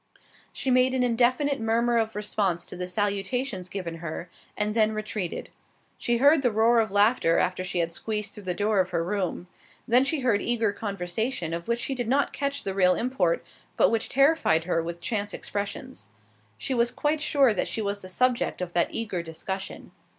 She made an indefinite murmur of response to the salutations given her, and then retreated. She heard the roar of laughter after she had squeezed through the door of her room. Then she heard eager conversation, of which she did not catch the real import, but which terrified her with chance expressions. She was quite sure that she was the subject of that eager discussion.